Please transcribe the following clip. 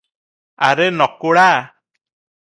ଆରେ ନକୁଳା!